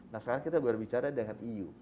nah sekarang kita berbicara dengan eu